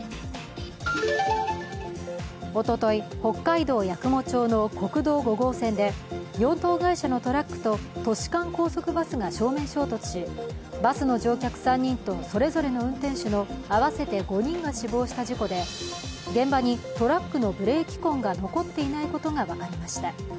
おととい、北海道八雲町の国道５号線で養豚会社のトラックと都市間高速バスが正面衝突し、バスの乗客３人とそれぞれの運転手の合わせて５人が死亡した事故で現場にトラックのブレーキ痕が残っていないことが分かりました。